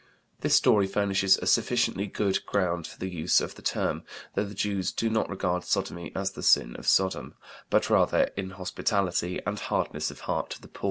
This story furnishes a sufficiently good ground for the use of the term, though the Jews do not regard sodomy as the sin of Sodom, but rather inhospitality and hardness of heart to the poor (J.